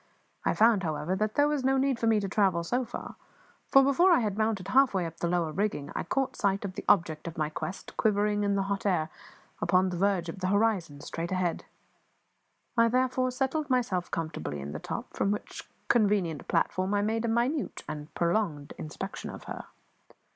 I found, however, that there was no need for me to travel so far, for before I had mounted halfway up the lower rigging I caught sight of the object of my quest quivering in the hot air, upon the verge of the horizon straight ahead. I therefore settled myself comfortably in the top, from which convenient platform I made a minute and prolonged inspection of her.